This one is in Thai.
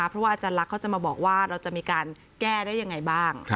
เพราะว่าอาจารย์ลักษ์เขาจะมาบอกว่าเราจะมีการแก้ได้ยังไงบ้าง